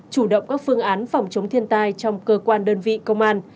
chủ động các phương án phòng chống thiên tai trong cơ quan đơn vị công an